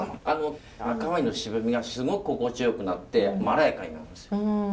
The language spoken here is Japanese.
あの赤ワインの渋みがすごく心地よくなってまろやかになるんですよ。